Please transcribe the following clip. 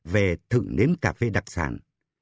về thử nếm cà phê đặc sản